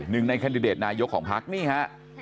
หนึ่งในคันดิเดตนายกของภักดิ์นี่ฮะ